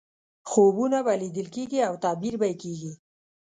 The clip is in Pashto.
خوبونه به لیدل کېږي او تعبیر به یې کېږي.